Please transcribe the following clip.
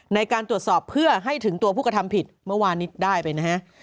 ในการตรวจสอบเพื่อให้ถึงตัวผู้กระทำผิดเมื่อวานนี้ได้ไปนะฮะ